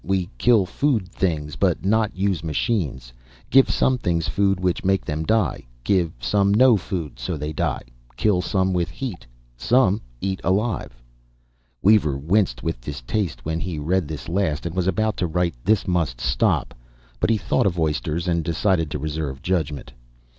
We kill food things, but not use machines. Give some things food which make them die. Give some no food, so they die. Kill some with heat. Some eat alive." Weaver winced with distaste when he read this last, and was about to write, "This must stop." But he thought of oysters, and decided to reserve judgment.